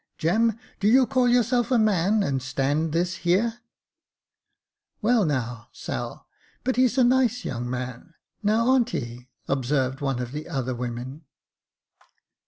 Jem, do you call yourself a man, and stand this here .''" "Well, now, Sal, but he's a nice young man. Now an't he ?" observed one of the other women.